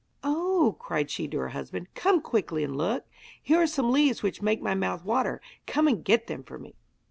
'Oh!' cried she to her husband, 'come quickly and look. Here are some leaves which make my mouth water; come and get them for me!'